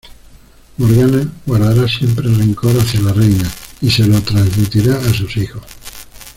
Morgana guardará siempre rencor hacia la reina y se lo transmitirá a sus hijos.